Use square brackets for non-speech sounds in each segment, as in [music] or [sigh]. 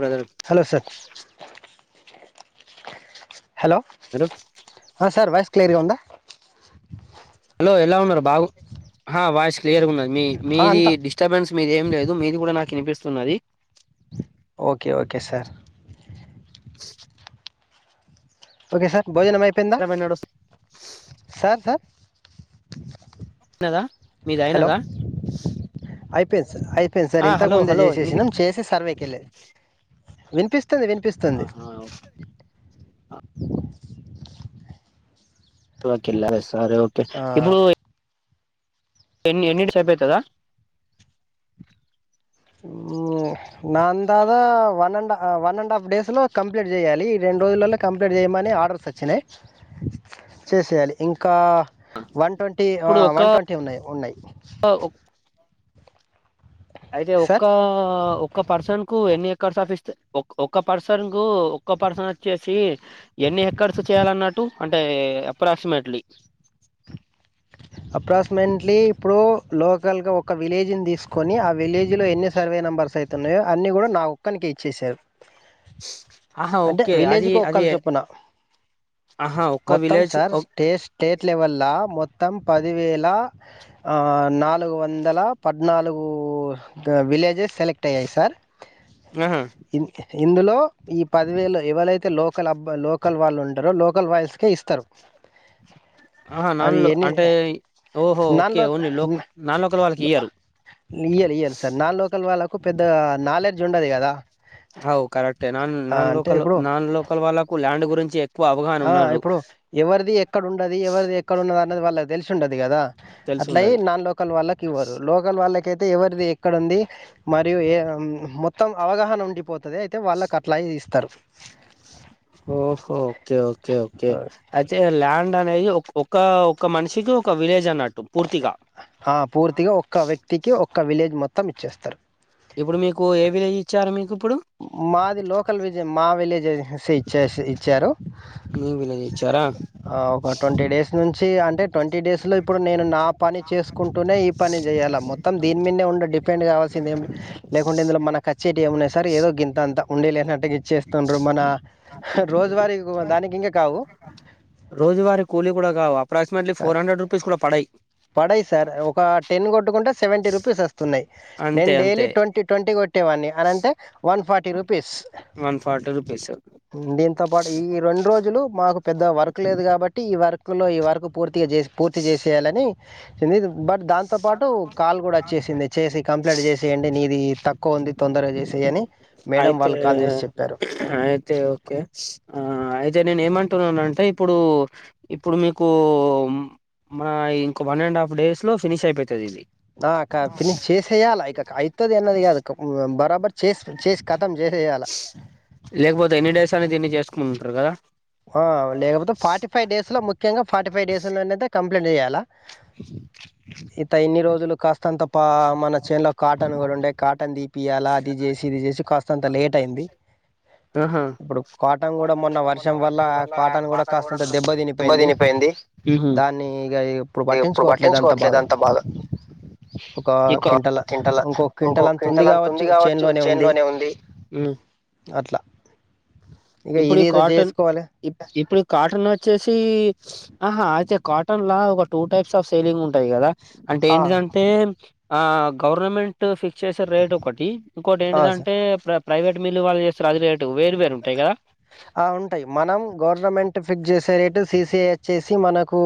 Brother hello sir hello ఆ sir voice క్లియర్గా ఉందా హలో ఎలా ఉన్నారు బాగు హా వాయిస్ క్లియర్గు ఉందన్ మీ మీది అంతా డిస్టబెన్స్ మీది ఏం లేదు మీది గుడా నాక్ ఇనిపిస్తున్నది okay okay sir okay sir భోజనం అయిపెంద సార్ సార్ కదా మీద్ అయినదా అయిపెంది సార్ అయిపెంది సార్ ఆ ఇంతక్ హలో ముందే హలో వినిపి జేసేసినం చేసి సర్వేకి ఎళ్లేది విన్పిస్ తుంది వినిపిస్తుంది ఓ కిల్లాలు సారు ఓకే ఆ, ఇబ్బుడూ ఏ ఎన్ని ఎన్నిడ్స్ అయిపేతదా ఉమ్ నా అందాద one and one and half days లో కంప్లీట్ జేయాలి రెండు రోజులల్లో కంప్లీట్ జేయమ్ మని ఆర్డర్స్ ఒచ్చినై చేసేయాలి ఇంకా వన్ టొంటీ ఇప్పుడు ఆ ఒక వన్ టొంటీ ఉన్నాయి ఉన్నాయి అయితే సార్ ఒక్కా ఒక్క పర్సన్ కు ఎన్ని ఎక్ కర్సాఫ్ ఇస్తే ఒక్ ఒక్క పర్సన్ కు ఒక్క పర్సన్ ఒచ్చేసీ ఎన్ని ఎక్కర్స్ చేయాలన్నట్టు అంటే అప్రాక్సిమేట్లీ అప్రాస్మెంట్లీ ఇప్పుడు లోకల్ గా ఒక విలేజ్ ని దీస్కొని ఆ విలేజ్ లో ఎన్ని సర్వే నెంబర్స్ సయిత్ తన్నయో అన్ని గుడా నా ఒక్కనికి ఇచ్చెసారు ఆహా అంటే ఓకే విలేజ్ అది కి అది ఒక్కల చొప్పున ఆహా ఒక్క మొత్తం విలేజ్ సార్ స్టేట్ స్టేట్ లెవెలా మో మొత్తం పదివేల నాలుగు వందల పద్నాలుగు విలేజెస్ సెలెక్ట్ అయ్యాయి సార్ ఆహా ఇన్ ఇందులో ఈ పదివేలు ఎవరైతే లోకల్ అబ్బా లోకల్ వాళ్ళు ఉంటారో లోకల్ వాయిల్స్కే ఇస్తారు ఆహా నాన్ అవి ఎన్ని అంటే ఓహో నాన్ ఓకే లోక ఓన్లీ లో నాన్ లోకల వాళ్ళకి ఇయ్యారు ఇయ్యలే ఇయ్యలే సార్ నాన్ లోకల్ వాళ్ళకు పెద్ద నాలెడ్జ్ ఉండదు కదా అ ఆవు కరెక్టే నాన్ ఆ నాన్ అంటే లోకల్ ఇప్పుడు నాన్ లోకల్ వాళ్ళకు ల్యాండ్ గురించి ఎ ఆ ఇప్పుడు ఎవరిది ఎక్కడ ఉండది ఎవరిది ఎక్కడన్నది అన్నది వాళ్ళకి తెలిసి ఉండది కదా అట్లాయి తెలుసుండది నాన్ లోకల్ వాళ్ళకి ఇవ్వరు లోకల్ వాళ్ళకయితే ఎవరిది ఎక్కడ ఉంది మరియు ఏ మొత్తం అవగాహన ఉండిపోతుంది అయితే వాళ్ళకు అట్లా ఇస్తారు ఓహో ఓకే ఓకే ఓకే అయితే లాండ్ అనేది ఒక ఒక్క ఒక్క మనిషికి ఒక విలేజ్ అన్నట్టు పూర్తిగా ఆ పూర్తిగా ఒక్క వ్యక్తికి ఒక్క విలేజ్ మొత్తం ఇచ్చేస్తారు ఇప్పుడు మీకు ఏ విలేజ్ ఇచ్చారు మీకు ఇప్పుడు మాది లోకల్ విజ మా విలేజే ఇచ్చే ఇచ్చారు మీ విలేజ్ ఇచ్చారా ఆ ఒక ట్వంటీ డేస్ నుంచి అంటే ట్వంటీ డేస్ లో ఇప్పుడు నేను నా పని చేసుకుంటూనే ఈ పని చేయాలా మొత్తం దీని మీదే ఉండ డిపెండ్ కావల్ చిఏం లే లేకుంటే ఇందులో మన కచ్చేటి ఏమన్నా సరే ఏదో గంత అంతా ఉండి లేనట్టు ఇచ్చేస్తుండ్రు మన రోజువారీ దానికి ఇంకా కావు రోజువారి కూలీ కూడా కావు అప్రాక్సిమేట్లీ ఆహ్, ఫోర్ హండ్రెడ్ రూపీస్ కూడా పడాయి పడయి సార్ ఒక టెన్ కొట్టుకుంటే సెవెంటీ రూపీస్ వస్తున్నాయి నేను అంతే డైలీ అంతే ట్వంటీ ట్వంటీ కొట్టేవాడిని అని అంటే one forty rupees one forty rupees దీంతో పాటు ఈ రెండు రోజులు మాకు పెద్ద వర్క్ లేదు కాబట్టి ఈ వర్క్ లో ఈ వర్క్ పూర్తి పూర్తిగా చేసి పూర్తి చేసేయాలని బట్ దాంతో పాటు కాల్ కూడా వచ్చేసింది చేసి కంప్లైంట్ చేసియండి నీది తక్కువ ఉంది తొందరగా చేసి చే అని మేడం అయితే వాళ్ళు కాల్ చేసి చెప్పారు అయితే ఓకే ఆ అయితే నేను ఏమంట టున్న అంటే ఇప్పుడు ఇప్పుడు మీకు మన ఇంకో వన్ అండ్ హాఫ్ డేస్ లో ఫినిష్ అయిపోతది ఇది ఆ ఫిని చేసేయాలి ఇక అయితది అన్నది కాదు బరాబర్ చే చే క లేకపోతే ఎన్ని డేస్ అని దిన్ని చేసుకుంటుంటారు కదా లేకపోతే ఫార్టీ ఫైవ్ డేస్ లో ముఖ్యంగా ఫార్టీ ఫైవ్ డేస్ లోయితే కంప్లీట్ చేసేయాలా ఇత ఎన్ని రోజులు కాస్త అంత పా మన చేన్ లో కాటన్ కూడా ఉండేయి కాటన్ తిపియాలా అది చేసి ఇది చేసి కాస్త అంత లేట్ అయింది ఆహా ఇప్పుడు కాటన్ కూడా మొన్న వర్షం వల్ల కాటన్ కూడా కాస్తంత దెబ్బ దమ్మ తినిపోయింది దాన్ని ఇక ఇప్పుడు తనిపోయిందిప్పుడు అంత పట్టించుకోవట్లేదు అంతా బాగా ఒక క్వింటల్ ఇంకోక క్వింటల్ అంత ఉంది కావచ్చు చేన్లోనే ఉంది మ్మ్ అట్లా ఇంక ఇది ఏదేదో చేసుకో ఇ ఇప్పుడు కాటన్ వచ్చేసి ఆహా అయితే కాటన్ లా ఒక టూ టైప్స్ ఆఫ్ సేలింగ్ ఉంటాయి కదా అంటే ఏంటిదంటే ఆ గవర్నమెంట్ ఫిక్స్ చేసే రేట్ ఒకటి ఇంకోటి ఏంటిదంటే ప్ర ప్రైవేట్ మిల్లు వాళ్ళ చేస్తారు అది రేటు వే వేరుగా ఉంటాయి కదా ఉంటాయి మనం గవర్నమెంట్ ఫిక్స్ చేసే రేటు సిసిఐ వచ్చేసి మనకు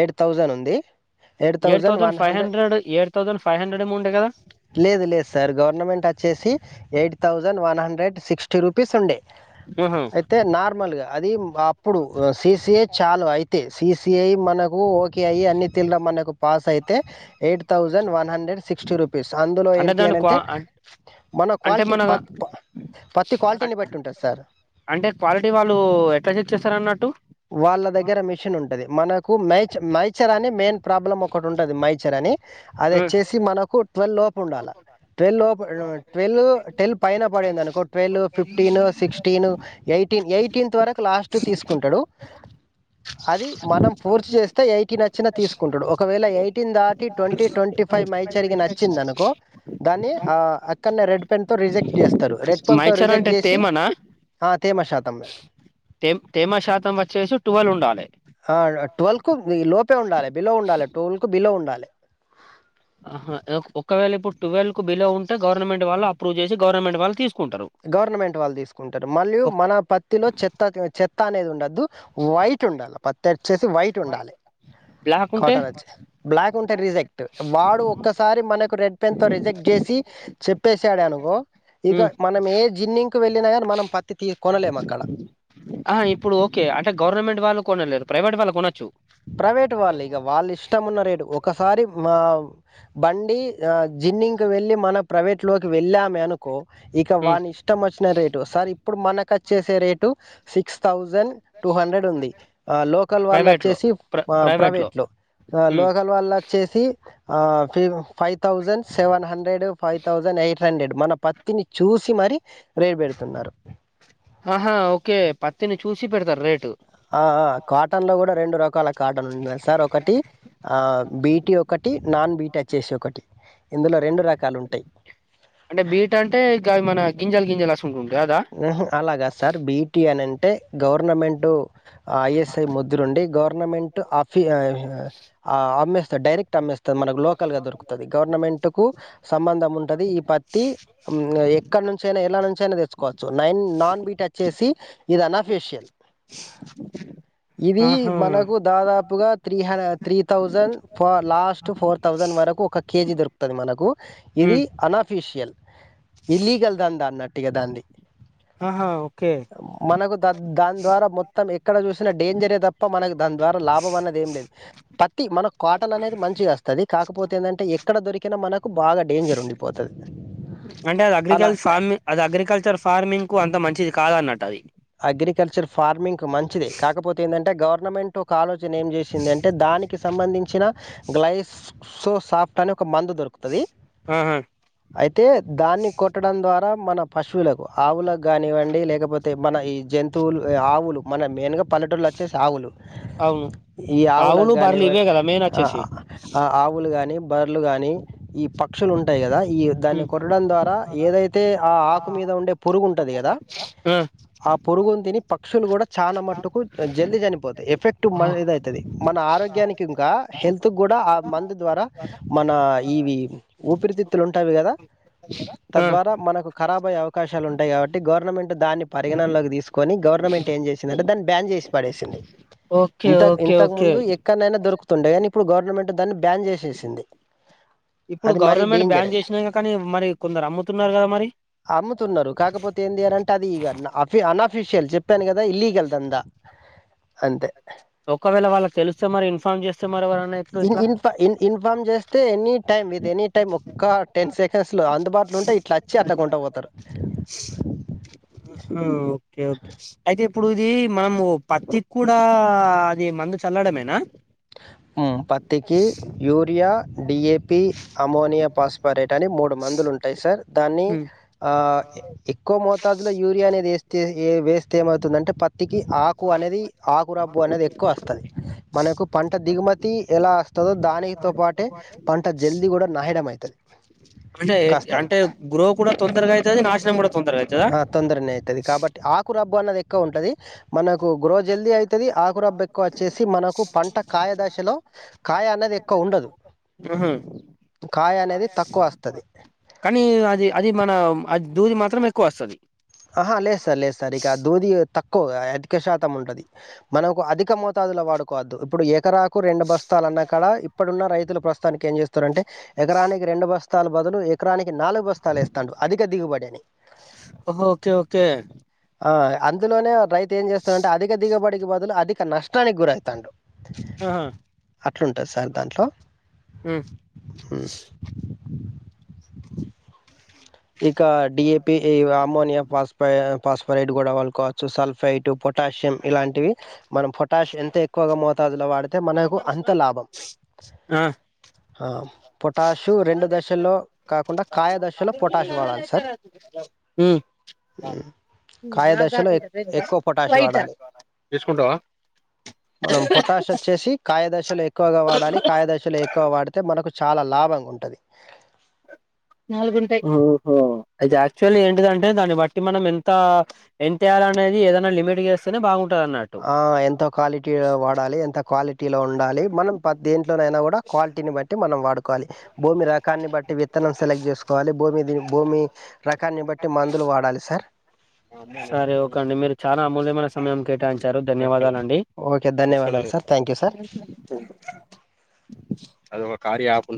ఎయిట్ థౌజ థౌజండ్ ఉంది eight thousand five hundred eight thousand five hundred amount ఎ కదా లేదు సార్ గవర్నమెంట్ వచ్చేసి eight thousand one hundred sixty rupees ఉండే ఆహా అయితే నార్మల్ గా అది అప్పుడు సిసిఐ చాలు అయితే సిసిఐ మనకు ఓకే అయి అన్ని తలడం మనకు పాస్ అయితే eight thousand one hundred sixty rupees అందులో ఏంటి దాని అని క్వా అంటే అం- మన అంటే క్వాలిటీ మన ప్ర అంటే క్వాలిటీ వాళ్ళు ఎట్లా చెక్ చేస్తారు అన్నట్టు వాళ్ళ దగ్గర మిషన్ ఉంటది మనకు మైచ మైచర్ అని మెయిన్ ప్రాబ్లం ఒకటి ఉంటది మైచర్ అని అదిచ్చేసి మనకు ట్వెల్లోప ఉండాలి ట్వెల్ లో ట్వెల్ టెవ పైన పడింది అనుకో twelve fifteen sixteen eighteen eighteenth వరకు లాస్ట్ తీసుకుంటాడు అది మనం ఫూర్స్ చేస్తే ఎయిటీన్ వచ్చినా తీసుకుంటాడు ఒకవేళ ఎయిటీన్ దాటి ట్వంటీ ట్వంటీ ఫైవ్ మైచ్చరికి నచ్చిందా దాని ఆ అక్కడనే రెడ్ పెన్ తో రిజెక్ట్ చేస్తారు రెడ్ పెన్ తో మైచర్ రిజెక్ట్ అంటే చేసి తేమనా ఆ తే మ శాతంస్ తేమ శాతం వచ్చ టువల్ ఉండాలి ఆ ట్వల్ కు లోపే ఉండాలి బిలో ఉండాలి ట్వెల్వ్ కు బిలో ఉండాలి ఒకే ఇప్పుడుటూవెల్వ్ కు బిలో ఉంటే గవర్నమెంట్ వాళ్ళ అప్రూవ్ చేసి గవర్నమెంట్ వాళ్ళు తీసు గవర్నమెంట్ వాళ్ళు తీసుకుంటారు మళ్ళయు మన పత్తిలో చెత్త చెత్త అనేది ఉండద్దు వైట్ ఉండాలి పత్త వచేసి వైట్ ఉండాలి బ్లాక్ ఉంటే కాటన్ వచ్చి బ్లాక్ ఉంటే రిజెక్ట్ వాడు ఒక్కసారి మనకు రెడ్ పెన్ తో రిజెక్ట్ చేసి చెప్పసాడు అనుకో ఇక ఉమ్ మనం ఏ జిన్నింగ్ వెళ్ళిన కాని మనం పత్తి తీ కొనలేము అక్కడ గవర్నమెంట్ళ్ళ కొనలే ప్రైవేట్ వాళ్ళ కొనచ్చు ప్రైవేట్ వాళ్ళు ఇక వాళ్ళు ఇష్టంన్న రేడు ఒకసారి మా బండి అడి ఆ జిన్నింగ్ క వెళ్ళి మన ప్రైవేట్ లోకి వెళ్ళామ అనుకో ఇక ఉమ్ వాని ఇష్టం వచ్చిన రేటు సార్ ఇప్పుడు మనక వచ్చేసే rate six thousand two hundred ఉంది లోకల్ వాళ్ళు ప్రైవేట్ లో వచ్చేసి ప్ర ప్రైవేట్ లో ప్రైవేట్లో ఉమ్ లోకల్ వాళ్ళ వచ్చేసిి five thousand seven hundred five thousand eight hundred మన పత్తిని చూసి మరి రేట్ పెడుతున్నారు ఆహా ఓకే పత్తిని చూసి పెడతారు రేటు ఆ కాటన్ లో కూడా రెండు రకాల కార్డన్ ఉంటందా సార్ ఒకటి ఆ బీటి ఒకటి నాన్ బీటీ వచ్చేసి ఒకటి ఇందులో రెండు రకాలు ఉంటాయి అంటే బీట్ అంటే ఇ మన గింజల్ గింజల్ అలాగా సార్ బీటి అని అంటే గవర్నమెంట్ ఐఎస్ఐ ముద్ర ఉండి గవర్నమెంట్ ఆఫీ అమ్మేస్తారు. డైరెక్ట్ అమ్మేస్తారు లోకల్ గా దొరుకుతుంది గవర్నమెంట్ కు సంబంధం ఉంటది ఈ పత్తి ఎక్కడ నుంచి ఎలా నైన తెచ్చకోవచ్చు నైన్ నాన్ బీట్ వచ్చేసి ఇది అన్ఫేషియల్ ఇది ఆహా మనకు దాదాపుగా త్రీ హ త్రీ థౌజండ్ ఫో లాస్ట్ ఫోర్ థౌజండ్ వరకు ఒక కేజీ దొరుకుతుంది మనకు ఇది ఉమ్ అన్ఫిషియల్ ఇల్లీగల్ దందా అన్నట్టుగా ఇగ దాంది ఆహా ఓకే మనకు ద దన్ ద్వారా మొత్తం ఎక్కడ చూసిన డేంజర్ తప్ప మనకు దాని ద్వారా లాభం అన్నది ఏం లేదు పత్తి మనకు కోటలు అనేది మంచిగా వస్తుంది కాకపోతే ఏంటంటే ఎక్కడ దొరికిన మనకు బాగా డేంజర్ ఉండిపోతుంది అంటే అది అలా అగ్రికల్చ ఫార్మింగ్ అది అగ్రికల్చర్ ఫార్మింగ్ కు అంత మంచిది కాద అన్నట్టు అది అగ్రికల్చర్ ఫార్మింగ్ మంచిదె. కాకపోతే ఏంటంటే గవర్నమెంట్ ఒక ఆలోచ ఏం చేసింది అంటే దానికి కి సంబంధించిన గ్లైసో సాఫ్ట్ అని ఒక మందు దొరుకుతుంది ఆహా అయితే దాన్ని కొట్టడం ద్వారా మన పశువులకు, ఆవులకు కానివ్వండి లేకపోతే ఏ ఆవులు మన మెయిన్గా పల్లెటూల్లో వచ్చేసి ఆవులు అవును ఈ ఆవులకు ఆవులు బర్రెలు కానివ, ఇవే కదా మెయిన్ వచ్చేసి ఆ ఆవులు గాని బర్లు గాని, ఈ పక్షులు ఉంటయి గదా. ఈ దాన్ని ఉమ్ కొట్టడం ద్వారా ఏదైతే ఆ ఆకు మీద ఉండే పురుగు ఉంటుంది కదా. ఆ ఆ పురుగుని తిని పక్షులు కూడా చానమట్టుకు జల్ది చనిపోతయి, ఎఫెక్ట్ ఓ, మనమీద అయితది. మన ఆరోగ్యానికి ఇంకా హెల్త్ గుడ ఆ మందు ద్వారా, మన ఇవి ఊపిరితిత్తులు ఉంటవి కదా ఆ తద్వారా మనకు కరాబయ్యే అవకాశాలు ఉంటయి కాబట్టి, గవర్నమెంట్ దాన్ని పరిగణంలోకి తీసుకొని గవర్నమెంట్ ఏం చేసిందంటే, దాన్ని బ్యాన్ చేసి పడేసింది. ఓకే ఇంత ఓకే ఇంతకు ఓకే ముందు ఎక్కన్నేనా దొరుకుతుండే గనీ ఇప్పుడు గవర్నమెంట్ దాన్ని బ్యాన్ చేసేసింది. ఇప్పుడు అది మరీ గవర్నమెంట్ డేంజర్ బ్యాన్ అని చేసినం కానీ, మరి కొందరు అమ్ముతున్నరు కదా మరి. అమ్ముతున్నరు కాకపోతే ఏందియనంటే అది ఈగ అఫ్ అన్ అఫీషియల్ చెప్పాను కదా, ఇల్లీగల్ దందా అంతే ఒకవేళ వాళ్ళకి తెలిస్తే మరి ఇన్ఫామ్ చేస్తే మరి ఎవరన్నా ఇప్పుడు ఇన్ ఇట్లా ఇన్ ఇన్ఫా ఇన్ ఇన్ఫార్మ్ చేస్తే ఎనీ టైమ్ ఇది ఎనీ టైం ఒక్క టెన్ సెకండ్స్లో అందుబాటులో ఉంటే, ఇట్ల అచ్చి అట్టా కొంట పోతరు. ఉమ్ ఓకే ఓకే అయితే ఇప్పుడు ఇది మనము పత్తికి కూడా అది మందు చల్లడమేనా? ఉమ్ పత్తికి urea D A P ammonia phosphate అని మూడు మందులు ఉంటయి సర్, దాన్ని ఉమ్. ఆ ఎక్కువ మోతాదులో యూరియా అనేది ఎస్తే ఏ వేస్తే ఏమవుతుందంటే పత్తికి ఆకు అనేది ఆకురబ్బు అనేది ఎక్కువ వస్తది, మనకు పంట దిగుమతి ఎలా వస్తదో దానికితో పాటే, పంట జల్దీ కూడా నాయడమైతది. అంటే అంటే గ్రో కూడా తొందరగ అయితది, నాశనం కూడా తొం ఆ తొందరనే అయితది, కాబట్టి ఆకురబ్బు అన్నది ఎక్కువ ఉంటది. మనకు గ్రో జల్దీ అయితది, ఆకురబ్బ ఎక్కువ వచ్చేసి మనకు పంట కాయ దశలో, కాయ అనే ది ఎక్కువ ఉండదు. ఉహు, కాయ అనేది తక్కువ వస్తుంది కని అది అది మన అది దూది మాత్రం ఎక్కువ వస్తది. ఆహ లే సార్, లే సార్ ఇకా దూది తక్ క్కో అధిక శాతం ఉంటది, మనకు అధిక మోతాదుల వాడుకోవద్దు, ఇప్పుడు ఎకరా కు రెండు బస్తాలన్నాకాడ ఇప్పుడున్న రైతులు ప్రస్తుతానికి ఏం చేస్తురంటే, ఎకరానికి రెండు బస్తాలు బదులు ఎకరానికి నాలుగు బస్తాలు ఏస్తాండు. అధిక దిగుబడి అది. ఓహో ఓకే ఓకే. ఆ అందులోనే రైతు ఏం చేస్తరంటే అధిక దిగబడికి బదులు, అధిక నష్టానికి గురైతాండు. ఆహా అట్లుంటుంది సార్ దాంట్లో ఉమ్, ఉమ్. ఇక డి ఏ పి, ఈ అమ్మోనియా, ఫాస్ ఫై ఫాస్ఫరైడ్ గుడ వాళ్ళు కొల్ కోవచ్చు. సల్ఫైటు, పొటాషియం ఇలాంటివి మనం పొటాష్ ఎంత ఎక్కువగా మోతాదులో వాడితే, మనకు అంత లాభం. ఆ ఆ పొటాషు రెండు దశల్లో కాకుండా కాయ దశలో పొటాష్ వాడాలి సార్ ఉమ్ హ్మ్. కాయ దశలో ఎక్- ఎక్కువ పొటాష్ వాడాలి తీసుకుంటవా మనం పొటాష్ వచ్చేసి కాయ దశలో ఎక్కువగా వాడాలి, కాయ దశలో ఎక్కువ వాడితే మనకు చాలా లాభంగుంటది. అయితే యాక్చువల్లీ ఏంటిదంటే దాన్ని బట్టి మనం ఎంత ప్చ్ ఎంతెయ త అనేది ఏదైనా మిట్ గేస్తేనే బాగుం ఆ ఎంత క్వాలిటీ వాడాలి, ఎంత క్వాలిటీలో ఉండాలి మనం పద్దేంట్లోనైన కూడా క్వాలిటీని బట్టి మనం వాడు కోలి భూమి రకాన్ని బట్టి విత్తనం సెలెక్ట్ చేసుకోవాలి భూమి భూమి రకాన్ని బట్టి మందులు వాడాలి సార్. సరే ఓక అండి మీరు చాలా అమూల్య స మయం కేటాయించారు ధన్యవాదాలు అండీ ఓకే. ఇసుక ధన్యవాదాలు lorry sir. Thank you sir. వచ్చింది [inaudible] కార్య యాప్